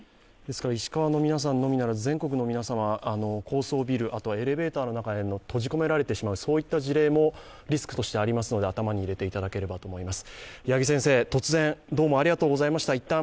石川の皆さんのみならず全国の皆様、高層ビル、またはエレベーターに閉じ込められてしまう事例もリスクとしてありますので頭に入れていただければと思います。